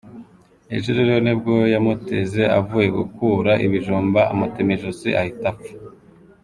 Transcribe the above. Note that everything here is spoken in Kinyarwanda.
Ejo rero nibwo yamuteze avuye gukura ibijumba amutema ijosi ahita apfa.